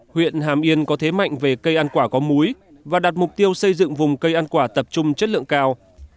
huyện hàm yên có thế mạnh về cây ăn quả có múi và đặt mục tiêu xây dựng vùng cây ăn quả tập trung chất lượng cao